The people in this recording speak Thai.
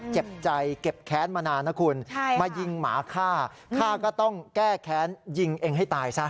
เจ็บใจเจ็บแค้นมานานนะคุณมายิงหมาฆ่าฆ่าก็ต้องแก้แค้นยิงเองให้ตายซะ